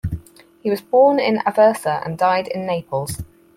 He was born in Aversa and died in Naples.